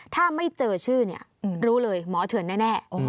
ถ้าไม่เจอชื่อรู้เลยหมอเถินแน่